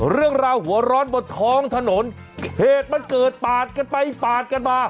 เรื่องราวหัวร้อนบนท้องถนนเหตุมันเกิดปาดกันไปปาดกันมา